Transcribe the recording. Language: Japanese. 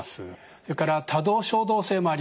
それから多動・衝動性もあります。